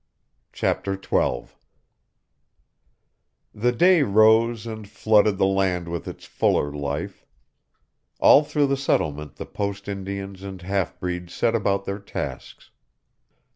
Chapter Twelve The day rose and flooded the land with its fuller life. All through the settlement the Post Indians and half breeds set about their tasks.